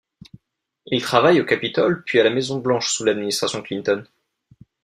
Il travaille au Capitole puis à la Maison-Blanche sous l'administration Clinton.